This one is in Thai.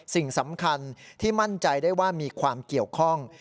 สิ่งสำคัญที่มั่นใจได้ว่ามีความเกี่ยวข้อง